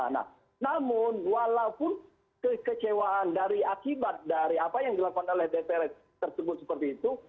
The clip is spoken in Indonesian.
nah namun walaupun kekecewaan dari akibat dari apa yang dilakukan oleh dpr tersebut seperti itu